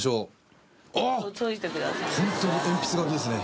ホントに鉛筆書きですね